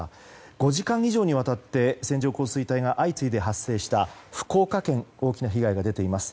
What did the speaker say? ５時間以上にわたって線状降水帯が相次いで発生した福岡県大きな被害が出ています。